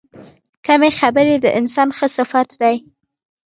کمې خبرې، د انسان ښه صفت دی.